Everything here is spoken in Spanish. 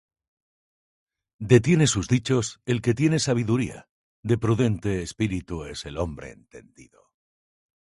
Detiene sus dichos el que tiene sabiduría: De prudente espíritu es el hombre entendido.